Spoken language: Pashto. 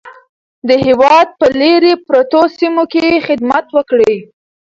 د هېواد په لیرې پرتو سیمو کې خدمت وکړئ.